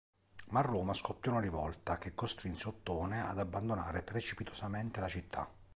Ma a Roma scoppiò una rivolta, che costrinse Ottone ad abbandonare precipitosamente la città.